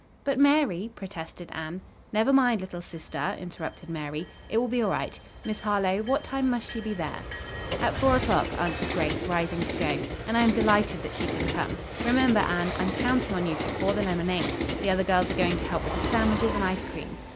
"But, Mary " protested Anne. "Never mind, little sister," interrupted Mary, "it will be all right. Miss Harlowe, what time must she be there?" "At four o'clock," answered Grace, rising to go, "and I am delighted that she can come. Remember, Anne, I'm counting on you to pour the lemonade. The other girls are going to help with the sandwiches and ice cream.